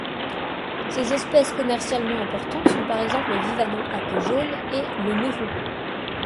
Ces espèces commercialement importantes sont par-exemple le vivaneau à queue jaune et le mérou.